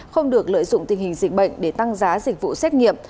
không được lợi dụng tình hình dịch bệnh để tăng giá dịch vụ xét nghiệm